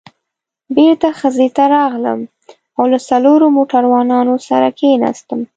بېرته خزې ته راغلم او له څلورو موټروانانو سره کېناستم.